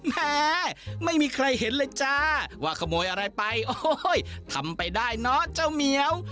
แม้ไม่มีใครเห็นเลยจ้าว่าขโมยอะไรไปโอ้ยทำไปได้เนอะเจ้าเหมียว